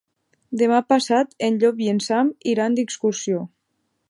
Demà passat en Llop i en Sam iran d'excursió.